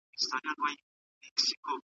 تحقیق په ساده او هنري ژبه ولیکئ.